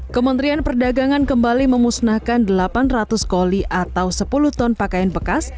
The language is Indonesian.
kementerian perdagangan kembali memusnahkan delapan ratus koli atau sepuluh ton pakaian bekas